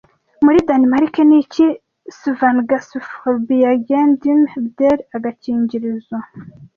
Muri Danimarike ni iki Svangerskabsforebyggendemiddel Agakingirizo